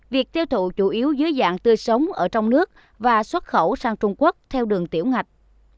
việc tiêu thụ chủ yếu dưới dạng tươi sống ở trong nước và xuất khẩu sang trung quốc theo đường tiểu ngạch